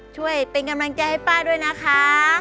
ช่วยเป็นกำลังใจให้ป้าด้วยนะคะ